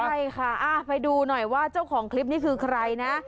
ใช่ค่ะไปดูหน่อยว่าเจ้าของคลิปนี้คือใครนะ